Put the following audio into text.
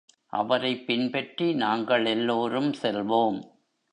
அவரைப் பின்பற்றி நாங்கள் எல்லோரும் செல்வோம்.